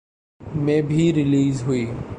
میں بھی ریلیز ہوئی